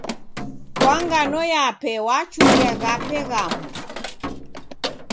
Kwa ngano yape wachurie ghape ghamu.